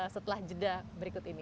setelah jeda berikut ini